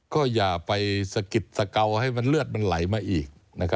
ก็อย่าไปสะกิดสะเกาให้เลือดมันไหลมาอีก